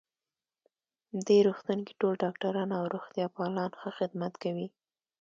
دې روغتون کې ټول ډاکټران او روغتیا پالان ښه خدمت کوی